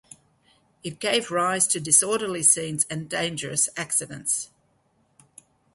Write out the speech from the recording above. It gave rise to disorderly scenes and dangerous accidents.